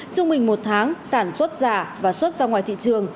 trung bình một tháng sản xuất giả và xuất ra ngoài thị trường